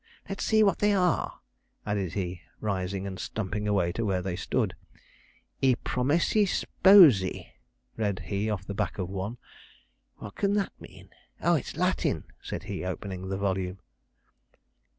'Let's see what they are,' added he, rising, and stumping away to where they stood. I Promessi Sposi, read he off the back of one. 'What can that mean! Ah, it's Latin,' said he, opening the volume.